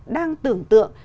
đang tưởng tượng